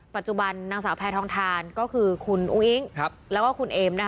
ปัจจุบันนางสาวแพทองทานก็คือคุณอุ้งอิ๊งแล้วก็คุณเอม